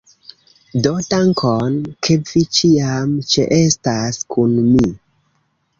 Do dankon! Ke vi ĉiam ĉeestas kun mi!